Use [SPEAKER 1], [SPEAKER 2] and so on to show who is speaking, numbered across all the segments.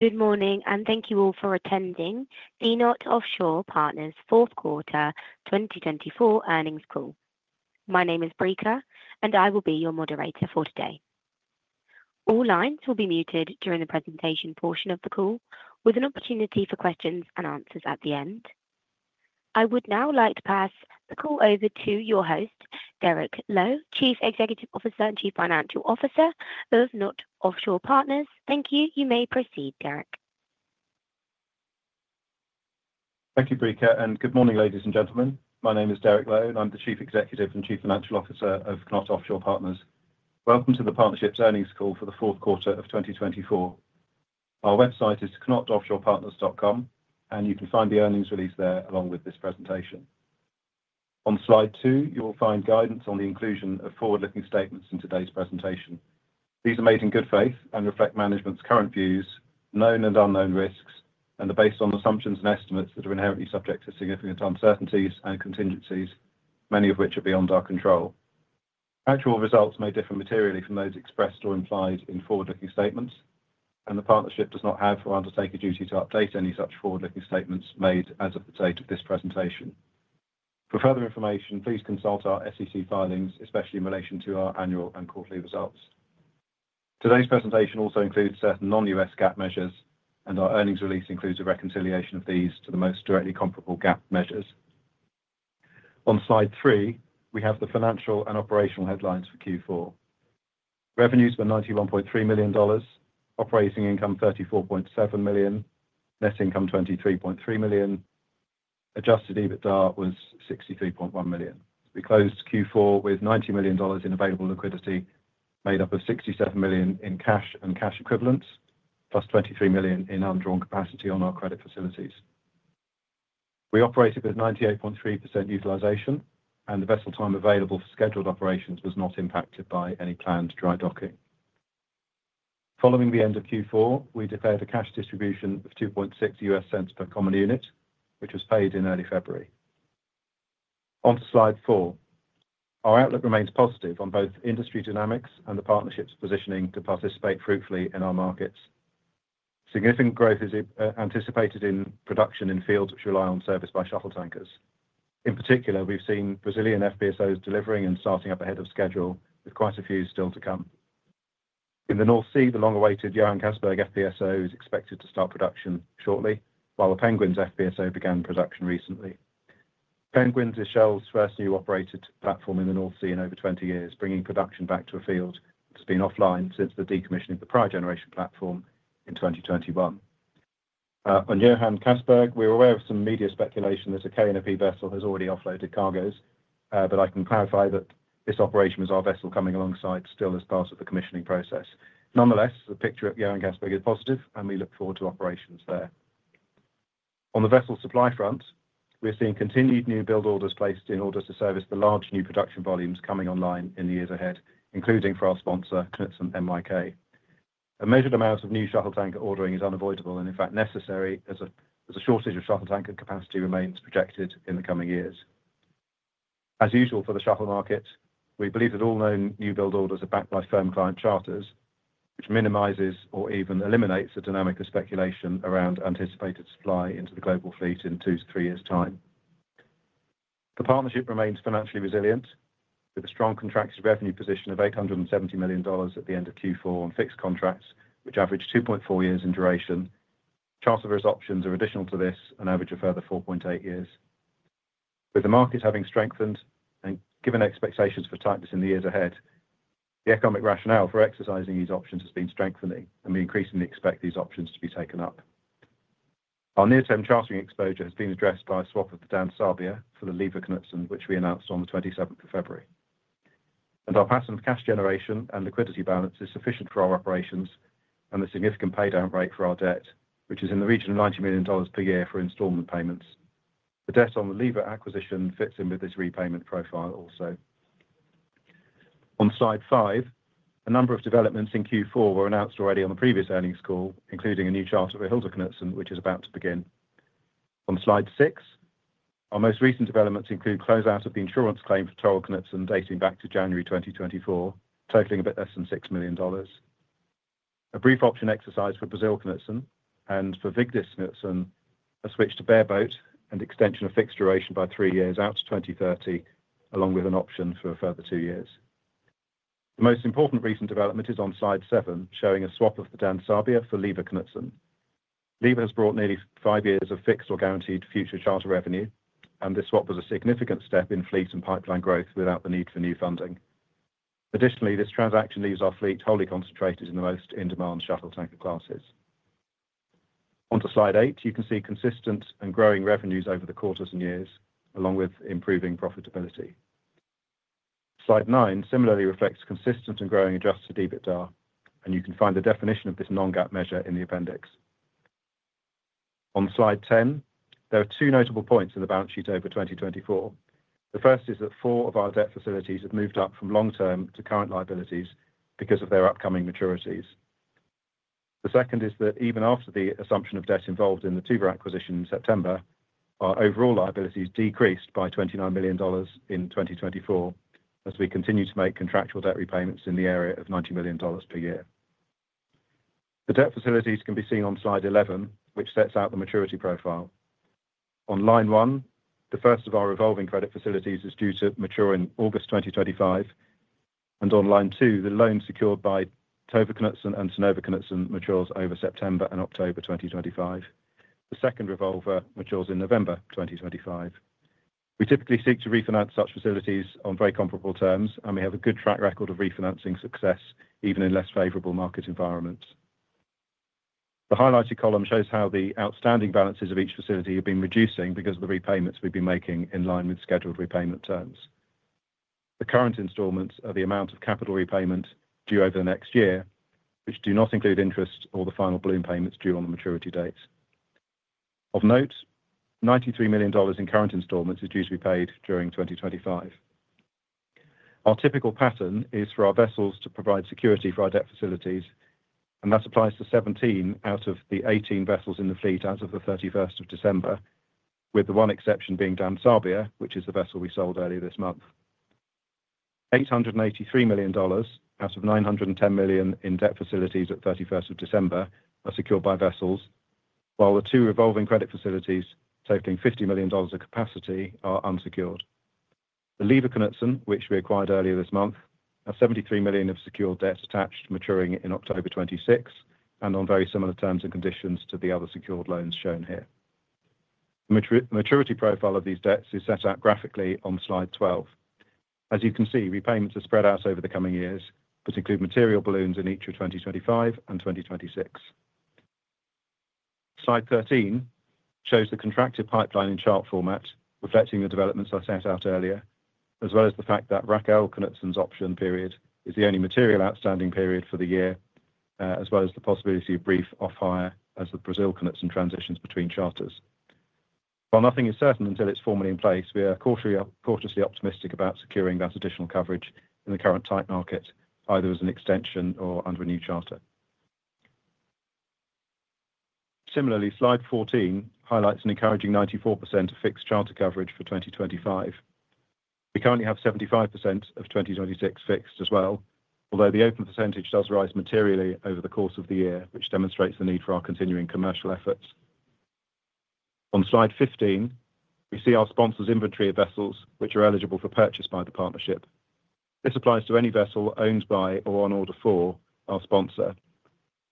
[SPEAKER 1] Good morning, and thank you all for attending The KNOT Offshore Partners' Fourth Quarter 2024 Earnings Call. My name is Brika, and I will be your moderator for today. All lines will be muted during the presentation portion of the call, with an opportunity for questions and answers at the end. I would now like to pass the call over to your host, Derek Lowe, Chief Executive Officer and Chief Financial Officer of KNOT Offshore Partners. Thank you. You may proceed, Derek.
[SPEAKER 2] Thank you, Brika, and good morning, ladies and gentlemen. My name is Derek Lowe, and I'm the Chief Executive and Chief Financial Officer of KNOT Offshore Partners. Welcome to the partnership's earnings call for the fourth quarter of 2024. Our website is knotoffshorepartners.com, and you can find the earnings release there along with this presentation. On slide two, you will find guidance on the inclusion of forward-looking statements in today's presentation. These are made in good faith and reflect management's current views, known and unknown risks, and are based on assumptions and estimates that are inherently subject to significant uncertainties and contingencies, many of which are beyond our control. Actual results may differ materially from those expressed or implied in forward-looking statements, and the partnership does not have or undertake a duty to update any such forward-looking statements made as of the date of this presentation. For further information, please consult our SEC filings, especially in relation to our annual and quarterly results. Today's presentation also includes certain non-U.S. GAAP measures, and our earnings release includes a reconciliation of these to the most directly comparable GAAP measures. On slide three, we have the financial and operational headlines for Q4. Revenues were $91.3 million, operating income $34.7 million, net income $23.3 million, Adjusted EBITDA was $63.1 million. We closed Q4 with $90 million in available liquidity, made up of $67 million in cash and cash equivalents, plus $23 million in undrawn capacity on our credit facilities. We operated with 98.3% utilization, and the vessel time available for scheduled operations was not impacted by any planned dry docking. Following the end of Q4, we declared a cash distribution of $2.60 per common unit, which was paid in early February. Onto slide four. Our outlook remains positive on both industry dynamics and the partnership's positioning to participate fruitfully in our markets. Significant growth is anticipated in production in fields which rely on service by shuttle tankers. In particular, we've seen Brazilian FPSOs delivering and starting up ahead of schedule, with quite a few still to come. In the North Sea, the long-awaited Johan Castberg FPSO is expected to start production shortly, while the Penguins FPSO began production recently. Penguins is Shell's first new operated platform in the North Sea in over 20 years, bringing production back to a field that has been offline since the decommissioning of the prior generation platform in 2021. On Johan Castberg, we were aware of some media speculation that a KNOP vessel has already offloaded cargoes, but I can clarify that this operation was our vessel coming alongside still as part of the commissioning process. Nonetheless, the picture at Johan Castberg is positive, and we look forward to operations there. On the vessel supply front, we are seeing continued new build orders placed in order to service the large new production volumes coming online in the years ahead, including for our sponsor, Knutsen NYK. A measured amount of new shuttle tanker ordering is unavoidable and, in fact, necessary as a shortage of shuttle tanker capacity remains projected in the coming years. As usual for the shuttle market, we believe that all known new build orders are backed by firm client charters, which minimizes or even eliminates the dynamic of speculation around anticipated supply into the global fleet in two to three years' time. The partnership remains financially resilient, with a strong contracted revenue position of $870 million at the end of Q4 on fixed contracts, which averaged 2.4 years in duration. Charter extensions are additional to this and average a further 4.8 years. With the market having strengthened and given expectations for tightness in the years ahead, the economic rationale for exercising these options has been strengthening, and we increasingly expect these options to be taken up. Our near-term chartering exposure has been addressed by a vessel swap of the Dan Sabia for the Lena Knutsen, which we announced on the 27th of February. Our pattern of cash generation and liquidity balance is sufficient for our operations and the significant paydown rate for our debt, which is in the region of $90 million per year for installment payments. The debt on the Lena acquisition fits in with this repayment profile also. On slide five, a number of developments in Q4 were announced already on the previous earnings call, including a new charter for Hilda Knutsen, which is about to begin. On slide six, our most recent developments include closeout of the insurance claim for Torill Knutsen dating back to January 2024, totaling a bit less than $6 million. A brief option exercise for Brasil Knutsen and for Vigdis Knutsen has switched to bareboat and extension of fixed duration by three years out to 2030, along with an option for a further two years. The most important recent development is on slide seven, showing a swap of the Dan Sabia for Lena Knutsen. Lena has brought nearly five years of fixed or guaranteed future charter revenue, and this swap was a significant step in fleet and pipeline growth without the need for new funding. Additionally, this transaction leaves our fleet wholly concentrated in the most in-demand shuttle tanker classes. Onto slide eight, you can see consistent and growing revenues over the quarters and years, along with improving profitability. Slide nine similarly reflects consistent and growing Adjusted EBITDA, and you can find the definition of this non-GAAP measure in the appendix. On slide ten, there are two notable points in the balance sheet over 2024. The first is that four of our debt facilities have moved up from long-term to current liabilities because of their upcoming maturities. The second is that even after the assumption of debt involved in the Tuva acquisition in September, our overall liabilities decreased by $29 million in 2024 as we continue to make contractual debt repayments in the area of $90 million per year. The debt facilities can be seen on slide 11, which sets out the maturity profile. On line one, the first of our revolving credit facilities is due to mature in August 2025, and on line two, the loan secured by Tove Knutsen and Synnøve Knutsen matures over September and October 2025. The second revolver matures in November 2025. We typically seek to refinance such facilities on very comparable terms, and we have a good track record of refinancing success even in less favorable market environments. The highlighted column shows how the outstanding balances of each facility have been reducing because of the repayments we've been making in line with scheduled repayment terms. The current installments are the amount of capital repayment due over the next year, which do not include interest or the final balloon payments due on the maturity date. Of note, $93 million in current installments is due to be paid during 2025. Our typical pattern is for our vessels to provide security for our debt facilities, and that applies to 17 out of the 18 vessels in the fleet as of the 31st of December, with the one exception being Dan Sabia, which is the vessel we sold earlier this month. $883 million out of $910 million in debt facilities at 31st of December are secured by vessels, while the two revolving credit facilities totaling $50 million of capacity are unsecured. The Lena Knutsen, which we acquired earlier this month, has $73 million of secured debt attached maturing in October 2026 and on very similar terms and conditions to the other secured loans shown here. The maturity profile of these debts is set out graphically on slide 12. As you can see, repayments are spread out over the coming years, but include material balloons in each of 2025 and 2026. Slide 13 shows the contracted pipeline in chart format, reflecting the developments I set out earlier, as well as the fact that Raquel Knutsen's option period is the only material outstanding period for the year, as well as the possibility of brief off-hire as the Brasil Knutsen transitions between charters. While nothing is certain until it's formally in place, we are cautiously optimistic about securing that additional coverage in the current tight market, either as an extension or under a new charter. Similarly, slide 14 highlights an encouraging 94% of fixed charter coverage for 2025. We currently have 75% of 2026 fixed as well, although the open percentage does rise materially over the course of the year, which demonstrates the need for our continuing commercial efforts. On slide 15, we see our sponsor's inventory of vessels, which are eligible for purchase by the partnership. This applies to any vessel owned by or on order for our sponsor,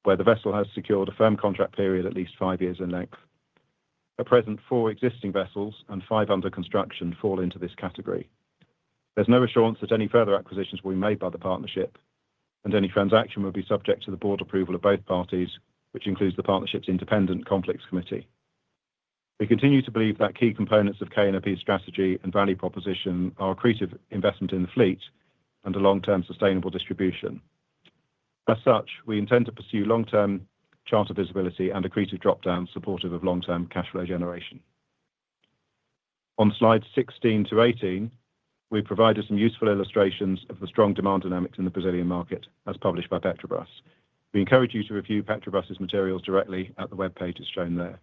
[SPEAKER 2] where the vessel has secured a firm contract period at least five years in length. At present, four existing vessels and five under construction fall into this category. There's no assurance that any further acquisitions will be made by the partnership, and any transaction will be subject to the board approval of both parties, which includes the partnership's independent conflicts committee. We continue to believe that key components of KNOP's strategy and value proposition are accretive investment in the fleet and a long-term sustainable distribution. As such, we intend to pursue long-term charter visibility and accretive dropdowns supportive of long-term cash flow generation. On slides 16 to 18, we've provided some useful illustrations of the strong demand dynamics in the Brazilian market, as published by Petrobras. We encourage you to review Petrobras's materials directly at the web page as shown there.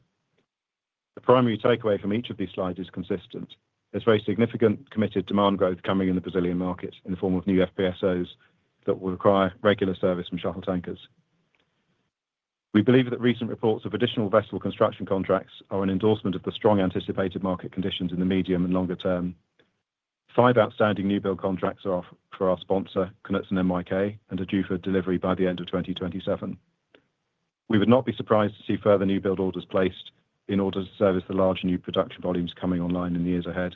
[SPEAKER 2] The primary takeaway from each of these slides is consistent. There is very significant committed demand growth coming in the Brazilian market in the form of new FPSOs that will require regular service from shuttle tankers. We believe that recent reports of additional vessel construction contracts are an endorsement of the strong anticipated market conditions in the medium and longer term. Five outstanding newbuild contracts are for our sponsor, Knutsen NYK, and are due for delivery by the end of 2027. We would not be surprised to see further newbuild orders placed in order to service the large new production volumes coming online in the years ahead.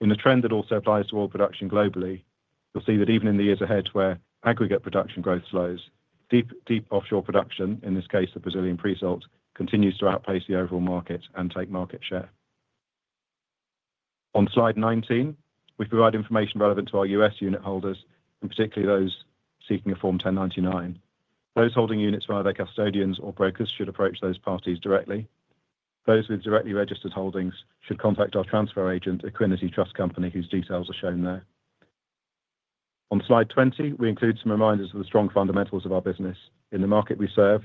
[SPEAKER 2] In the trend that also applies to oil production globally, you'll see that even in the years ahead where aggregate production growth slows, deep offshore production, in this case the Brazilian pre-salt, continues to outpace the overall market and take market share. On slide 19, we provide information relevant to our U.S. unit holders, and particularly those seeking a Form 1099. Those holding units via their custodians or brokers should approach those parties directly. Those with directly registered holdings should contact our transfer agent, Equiniti Trust Company, whose details are shown there. On slide 20, we include some reminders of the strong fundamentals of our business in the market we serve,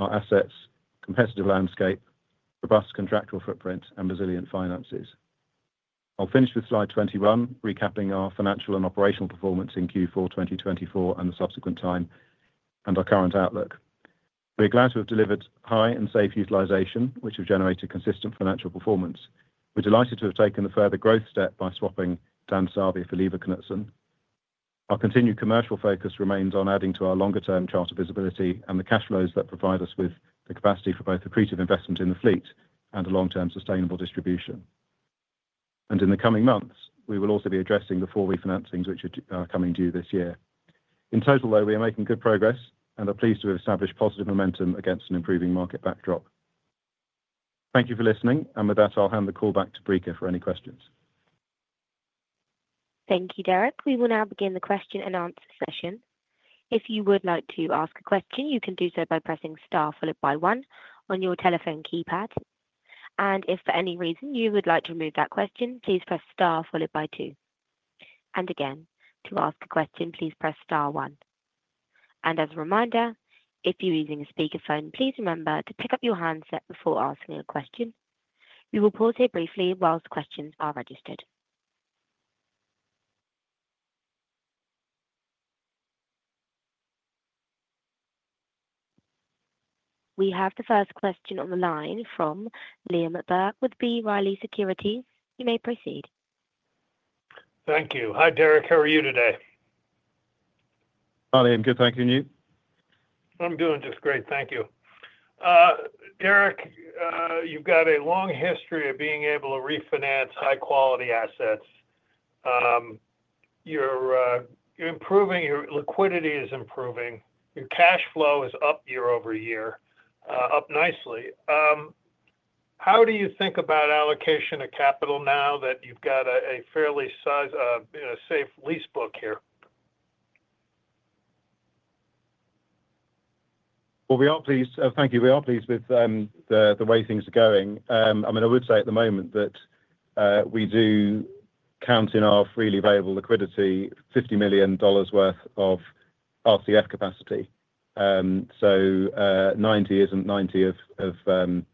[SPEAKER 2] our assets, competitive landscape, robust contractual footprint, and resilient finances. I'll finish with slide 21, recapping our financial and operational performance in Q4 2024 and the subsequent time, and our current outlook. We are glad to have delivered high and safe utilization, which have generated consistent financial performance. We're delighted to have taken the further growth step by swapping Dan Sabia for Lena Knutsen. Our continued commercial focus remains on adding to our longer-term charter visibility and the cash flows that provide us with the capacity for both accretive investment in the fleet and a long-term sustainable distribution. In the coming months, we will also be addressing the four refinancings which are coming due this year. In total, though, we are making good progress and are pleased to have established positive momentum against an improving market backdrop. Thank you for listening, and with that, I'll hand the call back to Brika for any questions.
[SPEAKER 1] Thank you, Derek. We will now begin the question and answer session. If you would like to ask a question, you can do so by pressing star followed by one on your telephone keypad. If for any reason you would like to remove that question, please press star followed by two. To ask a question, please press star one. As a reminder, if you're using a speakerphone, please remember to pick up your handset before asking a question. We will pause here briefly whilst questions are registered. We have the first question on the line from Liam Burke with B. Riley Securities. You may proceed.
[SPEAKER 3] Thank you. Hi, Derek. How are you today?
[SPEAKER 2] Hi, Liam. Good. Thank you. And you?
[SPEAKER 3] I'm doing just great. Thank you. Derek, you've got a long history of being able to refinance high-quality assets. Your liquidity is improving. Your cash flow is up year over year, up nicely. How do you think about allocation of capital now that you've got a fairly safe lease book here?
[SPEAKER 2] We are pleased. Thank you. We are pleased with the way things are going. I mean, I would say at the moment that we do count in our freely available liquidity, $50 million worth of RCF capacity. So 90 is not 90 of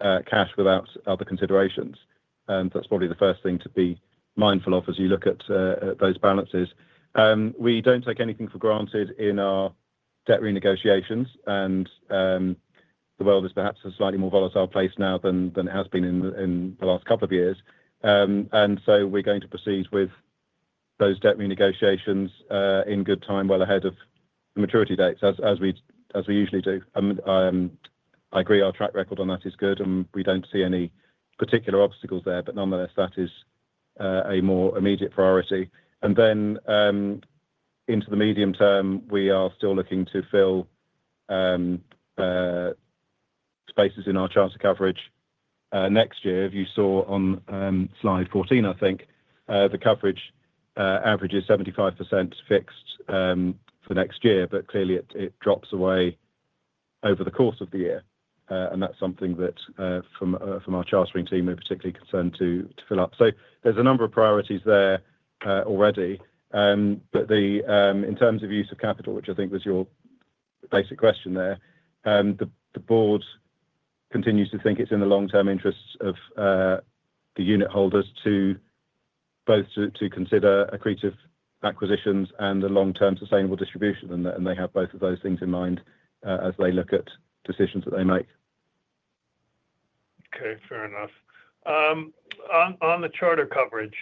[SPEAKER 2] cash without other considerations. That is probably the first thing to be mindful of as you look at those balances. We do not take anything for granted in our debt renegotiations, and the world is perhaps a slightly more volatile place now than it has been in the last couple of years. We are going to proceed with those debt renegotiations in good time, well ahead of the maturity dates, as we usually do. I agree our track record on that is good, and we do not see any particular obstacles there, but nonetheless, that is a more immediate priority. Into the medium term, we are still looking to fill spaces in our charter coverage. Next year, if you saw on slide 14, I think the coverage averages 75% fixed for next year, but clearly it drops away over the course of the year. That is something that from our chartering team, we are particularly concerned to fill up. There are a number of priorities there already, but in terms of use of capital, which I think was your basic question there, the board continues to think it is in the long-term interests of the unit holders to both consider accretive acquisitions and the long-term sustainable distribution. They have both of those things in mind as they look at decisions that they make.
[SPEAKER 3] Okay. Fair enough. On the charter coverage,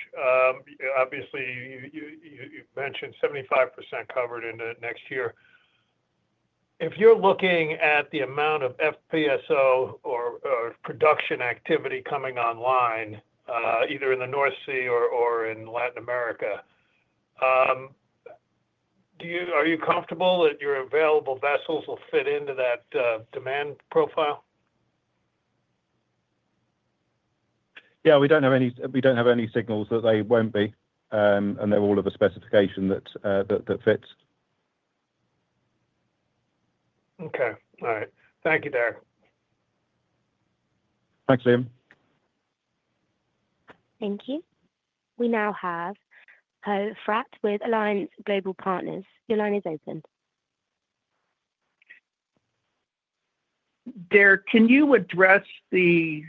[SPEAKER 3] obviously, you mentioned 75% covered in the next year. If you're looking at the amount of FPSO or production activity coming online, either in the North Sea or in Latin America, are you comfortable that your available vessels will fit into that demand profile?
[SPEAKER 2] Yeah. We don't have any signals that they won't be, and they're all of the specification that fits.
[SPEAKER 3] Okay. All right. Thank you, Derek.
[SPEAKER 2] Thanks, Liam.
[SPEAKER 1] Thank you. We now have Poe Fratt with Alliance Global Partners. Your line is open.
[SPEAKER 4] Derek, can you address the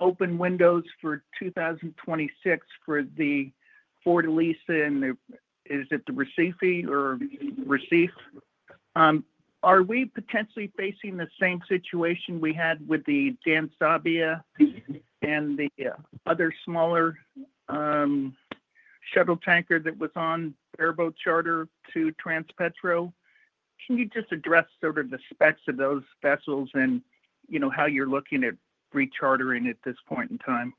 [SPEAKER 4] open windows for 2026 for the Fortaleza? And is it the Recife or Recife? Are we potentially facing the same situation we had with the Dan Sabia and the other smaller shuttle tanker that was on bareboat charter to Transpetro? Can you just address sort of the specs of those vessels and how you're looking at rechartering at this point in time?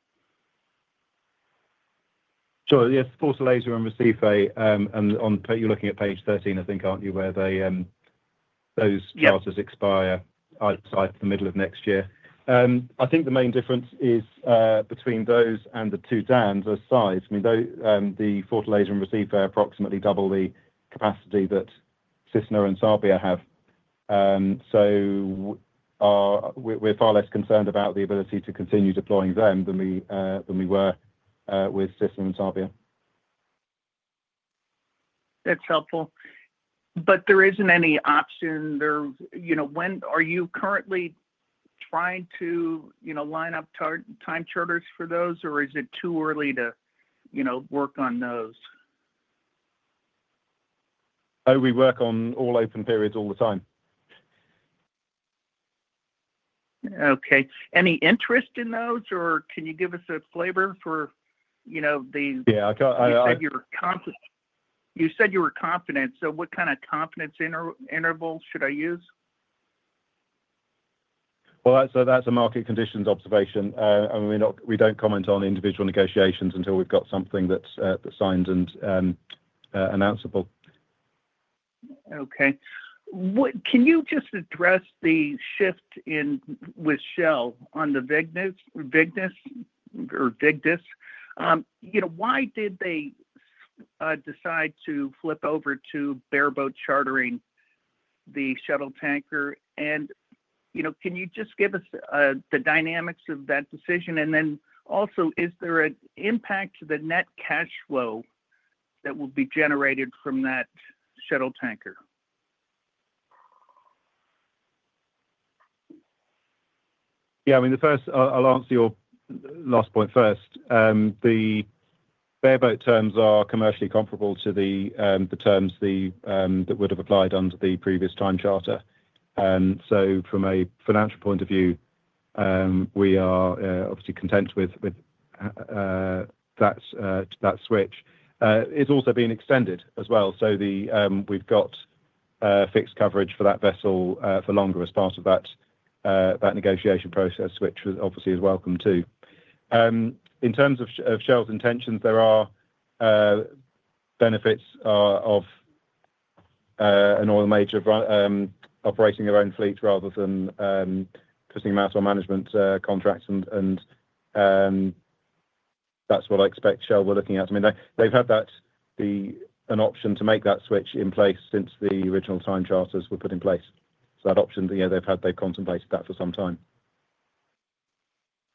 [SPEAKER 2] Yes, for Fortaleza and Recife, and you're looking at page 13, I think, aren't you, where those charters expire either side of the middle of next year? I think the main difference is between those and the two Dans are size. I mean, the Fortaleza and Recife are approximately double the capacity that Cisne and Sabia have. We are far less concerned about the ability to continue deploying them than we were with Cisne and Sabia.
[SPEAKER 4] That's helpful. There isn't any option. Are you currently trying to line up time charters for those, or is it too early to work on those?
[SPEAKER 2] We work on all open periods all the time.
[SPEAKER 4] Okay. Any interest in those, or can you give us a flavor for the?
[SPEAKER 2] Yeah.
[SPEAKER 4] You said you were confident. You said you were confident. What kind of confidence intervals should I use?
[SPEAKER 2] That is a market conditions observation. I mean, we do not comment on individual negotiations until we have got something that is signed and announceable.
[SPEAKER 4] Can you just address the shift with Shell on the Vigdis? Why did they decide to flip over to bareboat chartering the shuttle tanker? Can you just give us the dynamics of that decision? Is there an impact to the net cash flow that will be generated from that shuttle tanker?
[SPEAKER 2] I mean, I will answer your last point first. The bareboat terms are commercially comparable to the terms that would have applied under the previous time charter. From a financial point of view, we are obviously content with that switch. It has also been extended as well. We have got fixed coverage for that vessel for longer as part of that negotiation process, which obviously is welcome too. In terms of Shell's intentions, there are benefits of an oil major operating their own fleet rather than putting them out on management contracts. That is what I expect Shell were looking at. I mean, they have had an option to make that switch in place since the original time charters were put in place. That option, they have contemplated that for some time.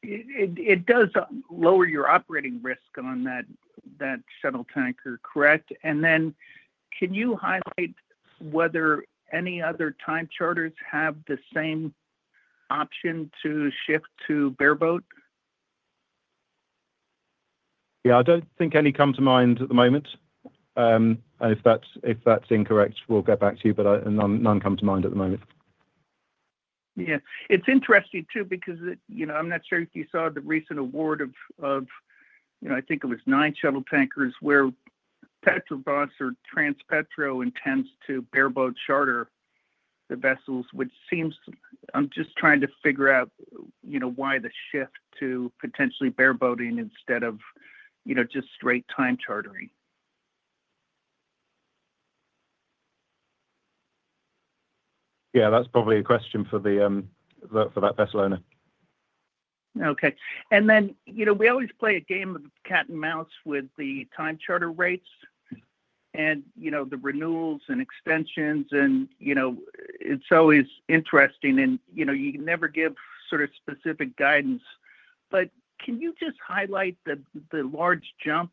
[SPEAKER 4] It does lower your operating risk on that shuttle tanker, correct? Can you highlight whether any other time charters have the same option to shift to bareboat?
[SPEAKER 2] Yeah. I do not think any come to mind at the moment. If that is incorrect, we will get back to you, but none come to mind at the moment.
[SPEAKER 4] Yeah. It's interesting too because I'm not sure if you saw the recent award of, I think it was nine shuttle tankers where Petrobras or Transpetro intends to bareboat charter the vessels, which seems I'm just trying to figure out why the shift to potentially bareboating instead of just straight time chartering.
[SPEAKER 2] Yeah. That's probably a question for that vessel owner.
[SPEAKER 4] Okay. We always play a game of cat and mouse with the time charter rates and the renewals and extensions. It's always interesting, and you can never give sort of specific guidance. Can you just highlight the large jump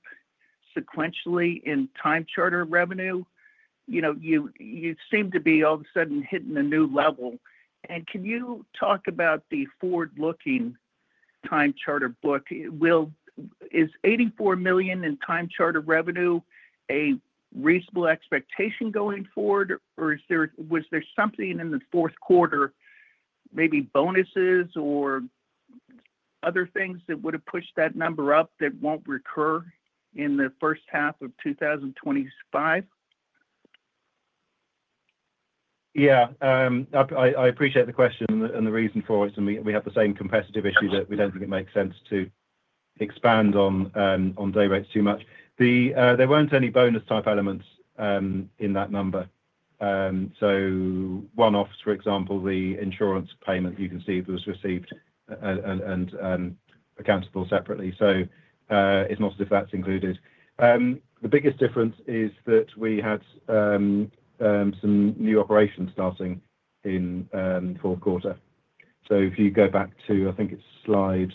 [SPEAKER 4] sequentially in time charter revenue? You seem to be all of a sudden hitting a new level. Can you talk about the forward-looking time charter book? Is $84 million in time charter revenue a reasonable expectation going forward, or was there something in the fourth quarter, maybe bonuses or other things that would have pushed that number up that will not recur in the first half of 2025?
[SPEAKER 2] Yeah. I appreciate the question and the reason for it. We have the same competitive issue that we do not think it makes sense to expand on day rates too much. There were not any bonus type elements in that number. One-offs, for example, the insurance payment, you can see it was received and accounted for separately. It is not as if that is included. The biggest difference is that we had some new operations starting in the fourth quarter. If you go back to, I think it is slide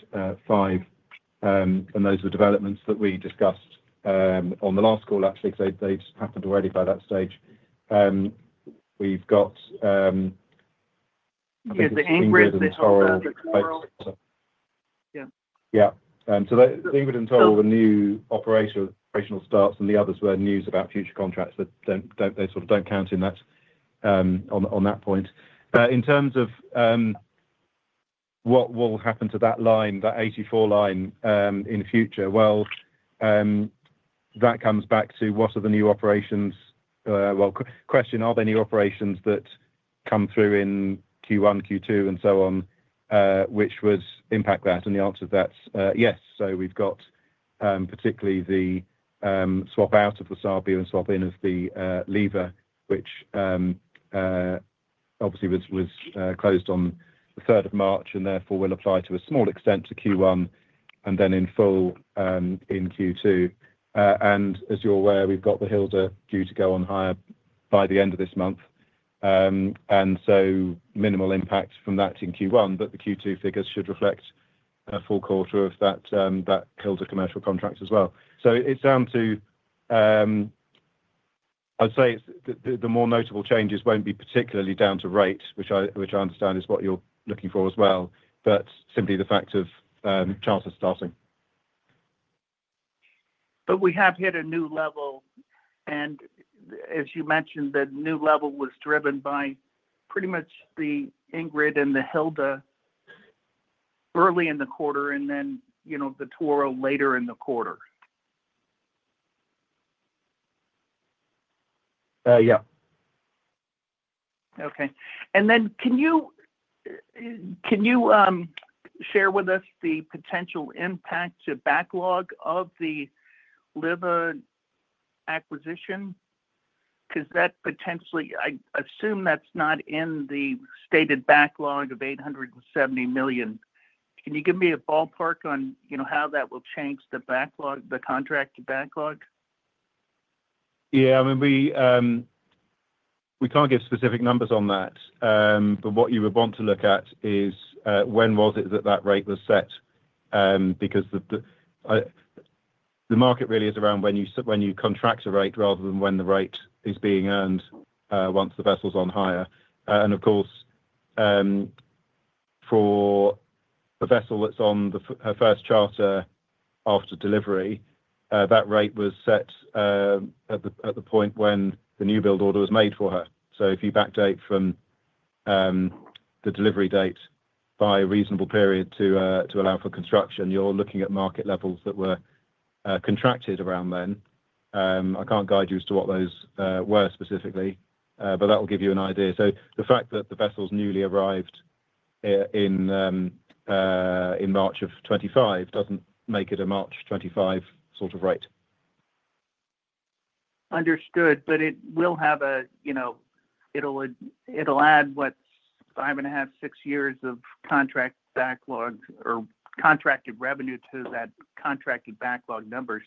[SPEAKER 2] five, those were developments that we discussed on the last call, actually, because they just happened already by that stage. We've got the Ingrid and Torill operations. Yeah. Yeah. So the Ingrid and Torill, the new operational starts, and the others were news about future contracts that sort of do not count in that on that point. In terms of what will happen to that line, that 84 line in future, that comes back to what are the new operations? Question, are there new operations that come through in Q1, Q2, and so on, which would impact that? The answer to that is yes. We've got particularly the swap out of the Sabia and swap in of the Lena, which obviously was closed on the 3rd of March, and therefore will apply to a small extent to Q1 and then in full in Q2. As you're aware, we've got the Hilda due to go on hire by the end of this month. Minimal impact from that in Q1, but the Q2 figures should reflect a full quarter of that Hilda commercial contract as well. It is down to, I'd say the more notable changes will not be particularly down to rate, which I understand is what you are looking for as well, but simply the fact of charter starting.
[SPEAKER 4] We have hit a new level. As you mentioned, the new level was driven by pretty much the Ingrid and the Hilda early in the quarter and then the Torill later in the quarter.
[SPEAKER 2] Yeah.
[SPEAKER 4] Okay. Can you share with us the potential impact to backlog of the Lena acquisition? Because that potentially, I assume that is not in the stated backlog of $870 million. Can you give me a ballpark on how that will change the contract backlog?
[SPEAKER 2] Yeah. I mean, we cannot give specific numbers on that. What you would want to look at is when was it that that rate was set? The market really is around when you contract a rate rather than when the rate is being earned once the vessel's on hire. Of course, for a vessel that's on her first charter after delivery, that rate was set at the point when the new build order was made for her. If you backdate from the delivery date by a reasonable period to allow for construction, you're looking at market levels that were contracted around then. I can't guide you as to what those were specifically, but that will give you an idea. The fact that the vessel's newly arrived in March of 2025 doesn't make it a March 2025 sort of rate.
[SPEAKER 4] Understood. It will add, what is five and a half, six years of contract backlog or contracted revenue to that contracted backlog number.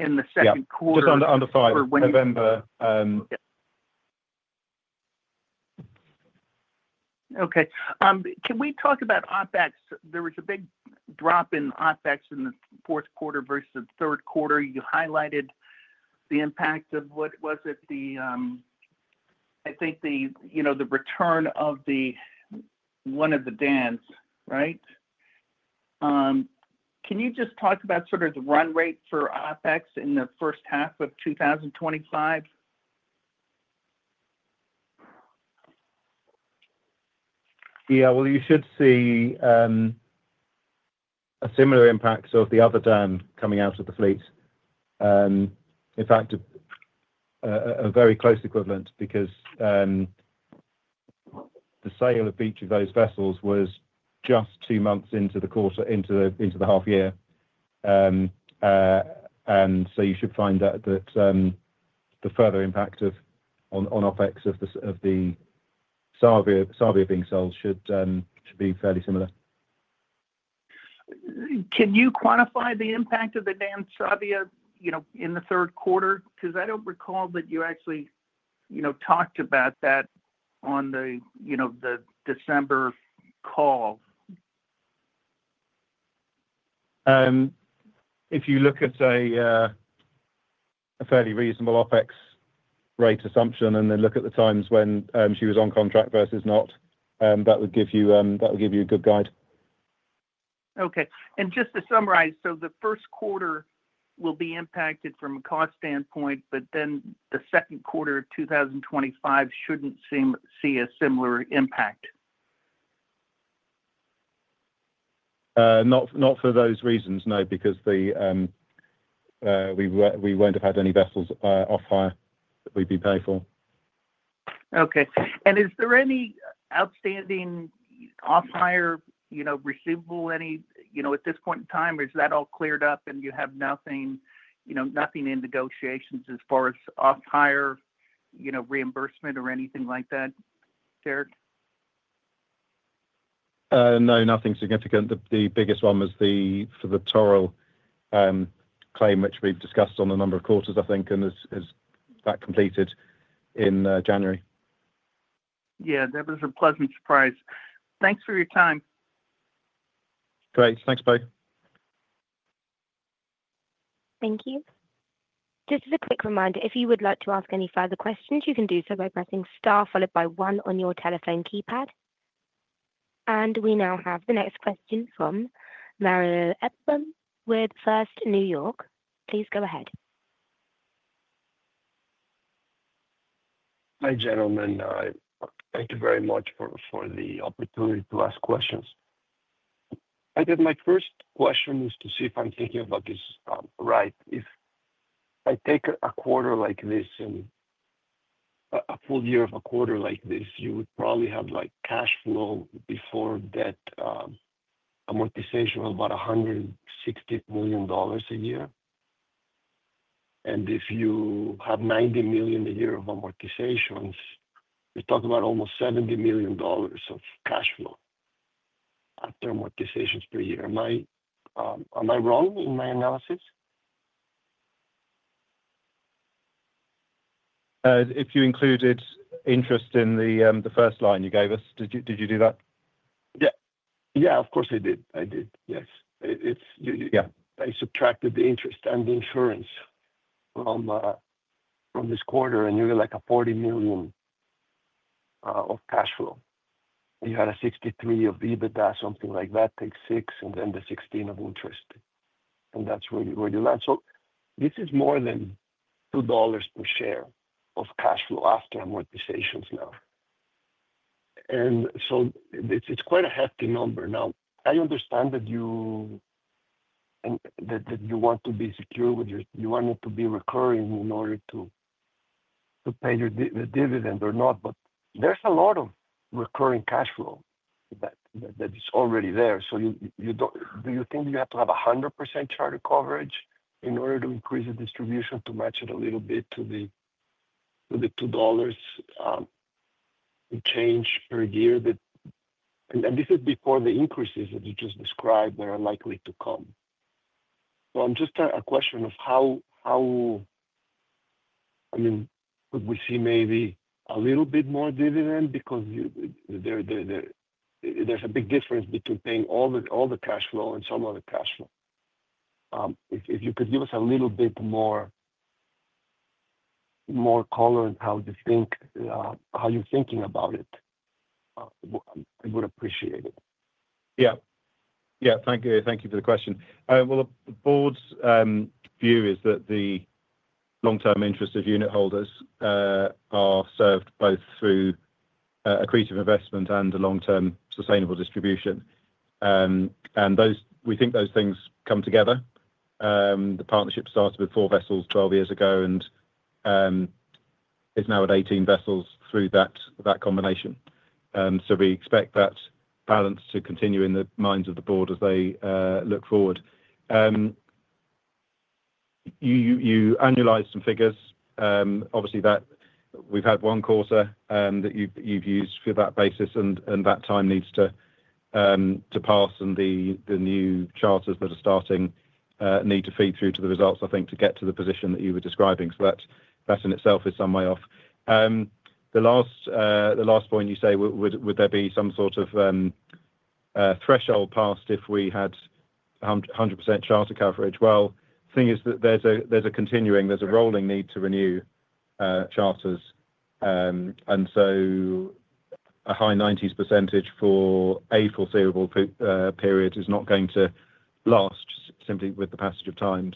[SPEAKER 4] In the second quarter or when?
[SPEAKER 2] Just under five November.
[SPEAKER 4] Okay. Can we talk about OpEx? There was a big drop in OpEx in the fourth quarter versus the third quarter. You highlighted the impact of, what was it, I think the return of one of the Dans, right? Can you just talk about sort of the run rate for OpEx in the first half of 2025?
[SPEAKER 2] Yeah. You should see a similar impact of the other Dan coming out of the fleet. In fact, a very close equivalent because the sale of each of those vessels was just two months into the quarter, into the half year. You should find that the further impact on OpEx of the Sabia being sold should be fairly similar.
[SPEAKER 4] Can you quantify the impact of the Dan Sabia in the third quarter? Because I do not recall that you actually talked about that on the December call.
[SPEAKER 2] If you look at a fairly reasonable OpEx rate assumption and then look at the times when she was on contract versus not, that would give you a good guide.
[SPEAKER 4] Okay. Just to summarize, the first quarter will be impacted from a cost standpoint, but the second quarter of 2025 should not see a similar impact.
[SPEAKER 2] Not for those reasons, no, because we will not have had any vessels off-hire that we would be paying for.
[SPEAKER 4] Okay. Is there any outstanding off-hire receivable at this point in time, or is that all cleared up and you have nothing in negotiations as far as off-hire reimbursement or anything like that, Derek?
[SPEAKER 2] No, nothing significant. The biggest one was for the Torill claim, which we've discussed on a number of quarters, I think, and has that completed in January.
[SPEAKER 4] Yeah. That was a pleasant surprise. Thanks for your time.
[SPEAKER 2] Great. Thanks, Poe.
[SPEAKER 1] Thank you. Just as a quick reminder, if you would like to ask any further questions, you can do so by pressing star followed by one on your telephone keypad. We now have the next question from Mario Epelbaum with First New York. Please go ahead.
[SPEAKER 5] Hi gentlemen. Thank you very much for the opportunity to ask questions. I think my first question is to see if I'm thinking about this right. If I take a quarter like this and a full year of a quarter like this, you would probably have cash flow before that amortization of about $160 million a year. If you have $90 million a year of amortizations, you're talking about almost $70 million of cash flow after amortizations per year. Am I wrong in my analysis?
[SPEAKER 2] If you included interest in the first line you gave us, did you do that?
[SPEAKER 5] Yeah. Yeah, of course I did. I did. Yes. Yeah. I subtracted the interest and the insurance from this quarter, and you were like a $40 million of cash flow. You had a $63 million of EBITDA, something like that, take $6 million, and then the $16 million of interest. That is where you land. This is more than $2 per share of cash flow after amortizations now. It is quite a hefty number. Now, I understand that you want to be secure with your—you want it to be recurring in order to pay the dividend or not, but there's a lot of recurring cash flow that is already there. Do you think you have to have 100% charter coverage in order to increase the distribution to match it a little bit to the $2 and change per year? This is before the increases that you just described that are likely to come. I'm just a question of how, I mean, could we see maybe a little bit more dividend because there's a big difference between paying all the cash flow and some of the cash flow? If you could give us a little bit more color in how you're thinking about it, I would appreciate it.
[SPEAKER 2] Yeah. Yeah. Thank you for the question. The board's view is that the long-term interest of unit holders are served both through accretive investment and a long-term sustainable distribution. We think those things come together. The partnership started with four vessels 12 years ago and is now at 18 vessels through that combination. We expect that balance to continue in the minds of the board as they look forward. You annualized some figures. Obviously, we've had one quarter that you've used for that basis, and that time needs to pass, and the new charters that are starting need to feed through to the results, I think, to get to the position that you were describing. That in itself is some way off. The last point you say, would there be some sort of threshold passed if we had 100% charter coverage? The thing is that there's a continuing, there's a rolling need to renew charters. A high 90s % for a foreseeable period is not going to last simply with the passage of time.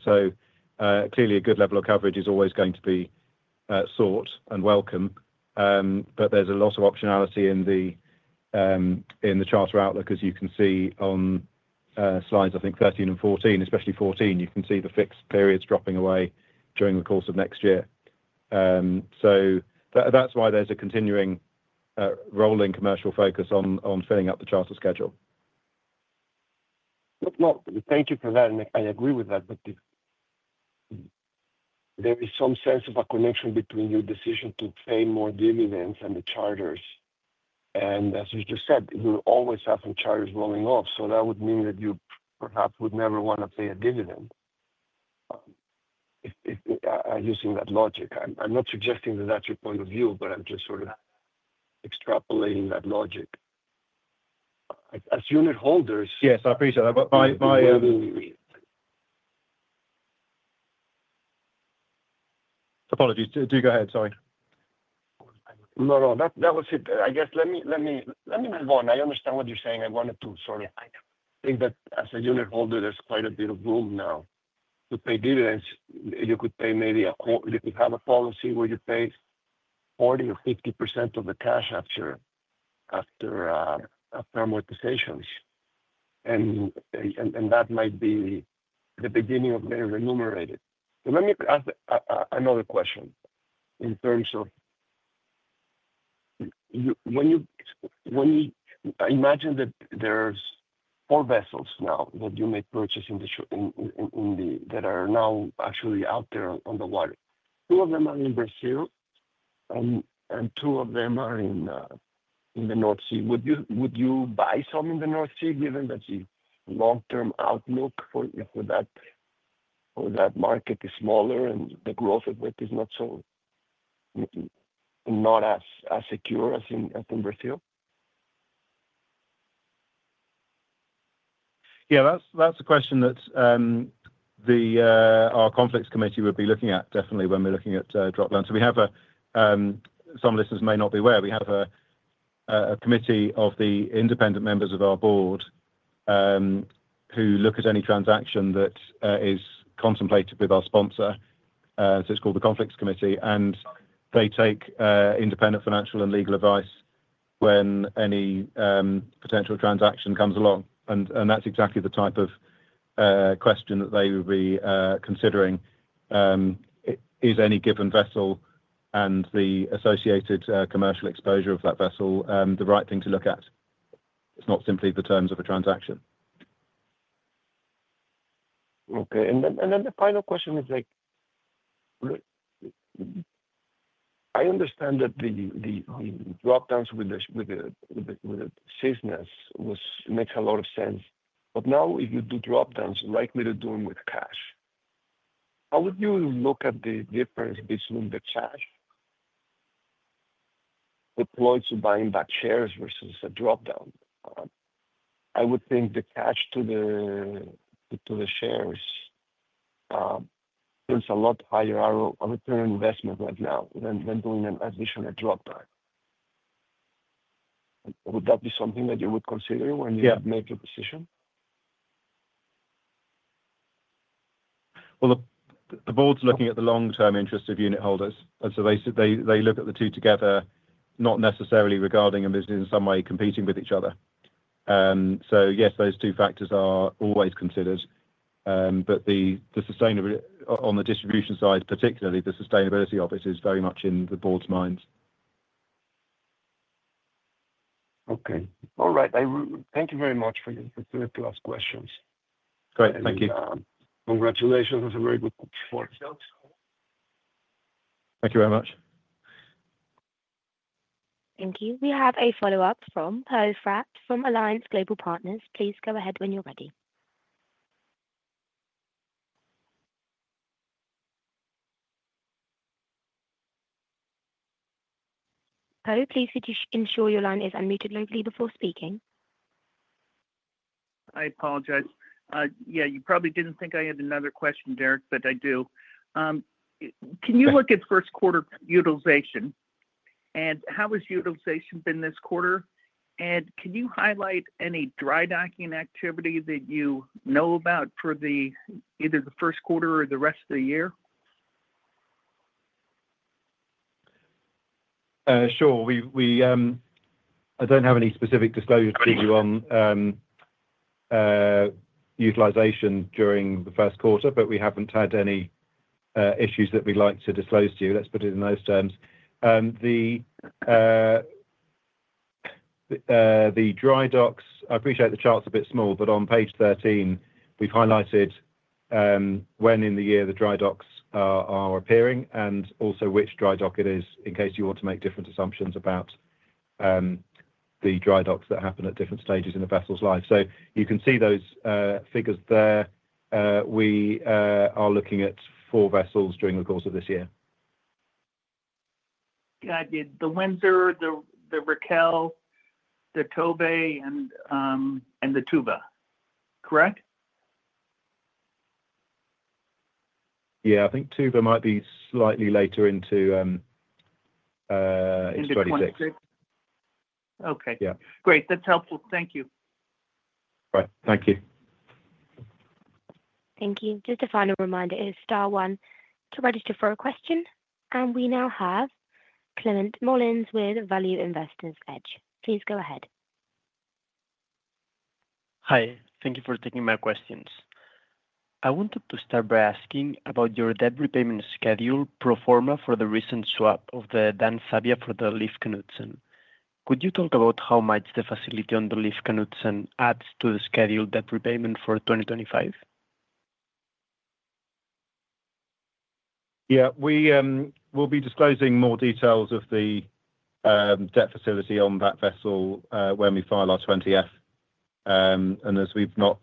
[SPEAKER 2] Clearly, a good level of coverage is always going to be sought and welcome. There is a lot of optionality in the charter outlook, as you can see on slides, I think 13 and 14, especially 14. You can see the fixed periods dropping away during the course of next year. That is why there's a continuing rolling commercial focus on filling up the charter schedule.
[SPEAKER 5] Thank you for that. I agree with that, but there is some sense of a connection between your decision to pay more dividends and the charters. As you just said, you'll always have some charters rolling off. That would mean that you perhaps would never want to pay a dividend using that logic. I'm not suggesting that that's your point of view, but I'm just sort of extrapolating that logic. As unit holders—Yes, I appreciate that.
[SPEAKER 2] Apologies. Do go ahead. Sorry.
[SPEAKER 5] No, no. That was it. I guess let me move on. I understand what you're saying. I wanted to sort of think that as a unit holder, there's quite a bit of room now. To pay dividends, you could pay maybe a—you could have a policy where you pay 40% or 50% of the cash after amortizations. That might be the beginning of getting remunerated. Let me ask another question in terms of when you imagine that there's four vessels now that you may purchase that are now actually out there on the water. Two of them are in Brazil, and two of them are in the North Sea. Would you buy some in the North Sea given that the long-term outlook for that market is smaller and the growth of it is not so not as secure as in Brazil?
[SPEAKER 2] Yeah. That's a question that our conflicts committee would be looking at, definitely, when we're looking at drop-land. Some listeners may not be aware, we have a committee of the independent members of our board who look at any transaction that is contemplated with our sponsor. It's called the conflicts committee. They take independent financial and legal advice when any potential transaction comes along. That's exactly the type of question that they would be considering. Is any given vessel and the associated commercial exposure of that vessel the right thing to look at. It's not simply the terms of a transaction.
[SPEAKER 5] Okay. The final question is, I understand that the drop-downs with the business make a lot of sense. Now, if you do drop-downs, like we're doing with cash, how would you look at the difference between the cash deployed to buying back shares versus a drop-down? I would think the cash to the shares is a lot higher return on investment right now than doing an additional drop-down. Would that be something that you would consider when you make your decision?
[SPEAKER 2] The board's looking at the long-term interest of unit holders. They look at the two together, not necessarily regarding a business in some way competing with each other. Yes, those two factors are always considered. On the distribution side, particularly, the sustainability option is very much in the board's minds.
[SPEAKER 5] Okay. All right. Thank you very much for the first-class questions.
[SPEAKER 2] Great. Thank you.
[SPEAKER 5] Congratulations on some very good support.
[SPEAKER 2] Thank you very much.
[SPEAKER 1] Thank you. We have a follow-up from Poe Fratt from Alliance Global Partners. Please go ahead when you're ready. Poe, please ensure your line is unmuted locally before speaking.
[SPEAKER 4] I apologize. Yeah. You probably didn't think I had another question, Derek, but I do. Can you look at first-quarter utilization? And how has utilization been this quarter? And can you highlight any dry docking activity that you know about for either the first quarter or the rest of the year?
[SPEAKER 2] Sure. I don't have any specific disclosures to give you on utilization during the first quarter, but we haven't had any issues that we'd like to disclose to you. Let's put it in those terms. The dry docks, I appreciate the chart's a bit small, but on page 13, we've highlighted when in the year the dry docks are appearing and also which dry dock it is in case you want to make different assumptions about the dry docks that happen at different stages in a vessel's life. You can see those figures there. We are looking at four vessels during the course of this year.
[SPEAKER 4] Yeah. The Windsor, the Raquel, the Tove, and the Tuva, correct?
[SPEAKER 2] Yeah. I think Tuva might be slightly later into 2026.
[SPEAKER 4] Okay. Great. That's helpful. Thank you.
[SPEAKER 2] Right. Thank you.
[SPEAKER 1] Thank you. Just a final reminder, star one, to register for a question. We now have Climent Molins with Value Investor's Edge. Please go ahead.
[SPEAKER 6] Hi. Thank you for taking my questions. I wanted to start by asking about your debt repayment schedule pro forma for the recent swap of the Dan Sabia for the Lena Knutsen. Could you talk about how much the facility on the Lena Knutsen adds to the scheduled debt repayment for 2025?
[SPEAKER 2] Yeah. We'll be disclosing more details of the debt facility on that vessel when we file our 20F. As we've not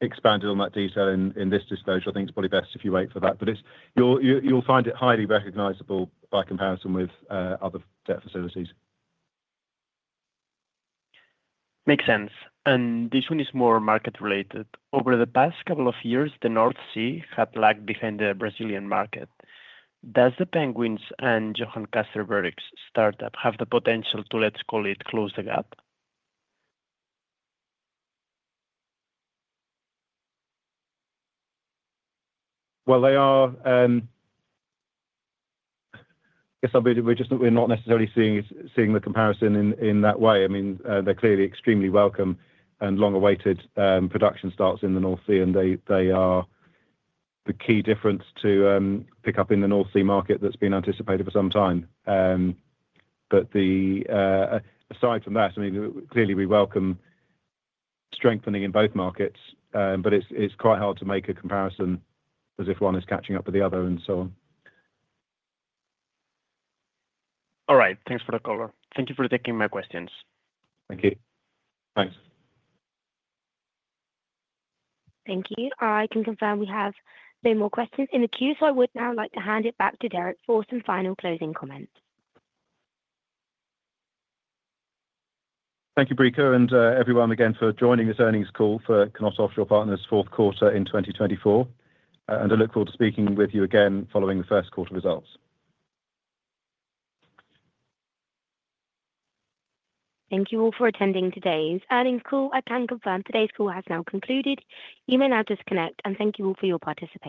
[SPEAKER 2] expanded on that detail in this disclosure, I think it's probably best if you wait for that. You'll find it highly recognizable by comparison with other debt facilities.
[SPEAKER 6] Makes sense. This one is more market-related. Over the past couple of years, the North Sea had lagged behind the Brazilian market. Does the Penguins and Johan Castberg startup have the potential to, let's call it, close the gap?
[SPEAKER 2] I guess we're not necessarily seeing the comparison in that way. I mean, they're clearly extremely welcome and long-awaited production starts in the North Sea. They are the key difference to pick up in the North Sea market that's been anticipated for some time. Aside from that, I mean, clearly, we welcome strengthening in both markets. It's quite hard to make a comparison as if one is catching up with the other and so on.
[SPEAKER 6] All right. Thanks for the color. Thank you for taking my questions.
[SPEAKER 2] Thank you. Thanks.
[SPEAKER 1] Thank you. I can confirm we have no more questions in the queue. I would now like to hand it back to Derek for some final closing comments.
[SPEAKER 2] Thank you, Brika, and everyone again for joining this earnings call for KNOT Offshore Partners' fourth quarter in 2024. I look forward to speaking with you again following the first quarter results.
[SPEAKER 1] Thank you all for attending today's earnings call. I can confirm today's call has now concluded. You may now disconnect. Thank you all for your participation.